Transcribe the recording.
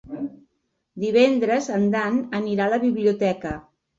Divendres en Dan anirà a la biblioteca.